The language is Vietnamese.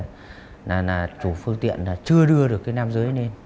cho nên là chủ phương tiện chưa đưa được nam giới lên